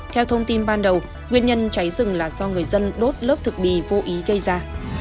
theo thông tin ban đầu nguyên nhân cháy rừng là do người dân đốt lớp thực bì vô ý gây ra